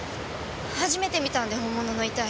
初めて見たんで本物の遺体。